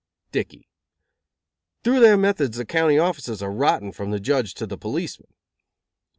Dickey: "Through their methods the county offices are rotten from the judge to the policeman."